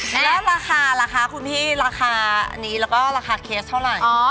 แล้วราคาราคาคุณพี่ราคาอันนี้แล้วก็ราคาเคสเท่าไหร่